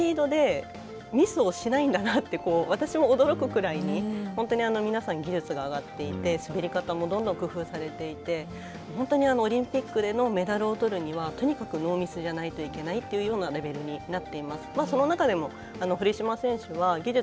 本当にもう男子も女子もこのスピードでミスをしないんだなって私も驚くくらいに本当に皆さんの技術が上がっていて滑り方もどんどん工夫されていて本当にオリンピックでのメダルを取るにはとにかくノーミスじゃないといけないというようなレベルになっています。